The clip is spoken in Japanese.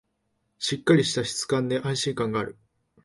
しっかりした質感で安心感がある